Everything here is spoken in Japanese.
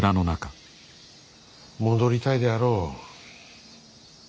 戻りたいであろう。